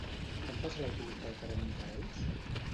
Quan passa l'autobús pel carrer Monterols?